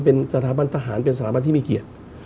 เป็นสถาบันทหารเป็นสถาบันที่มีเกียรติ